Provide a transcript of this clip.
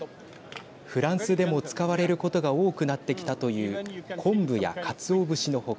フランスでも使われることが多くなってきたという昆布やかつお節の他